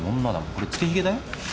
これつけひげだよ。